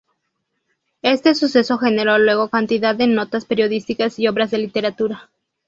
Este suceso generó luego cantidad de notas periodísticas y obras de literatura.